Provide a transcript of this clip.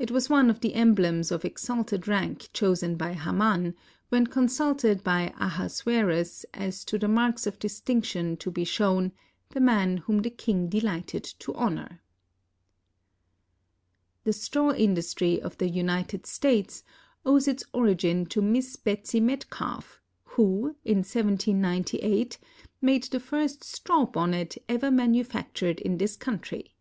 It was one of the emblems of exalted rank chosen by Haman, when consulted by Ahasuerus as to the marks of distinction to be shown " the man whom the king delighted to honor." The straw industry of the United States owes its origin to Miss Betsy Metcalf, who, in 1798, made the first straw bonnet* ever manufactured in this country.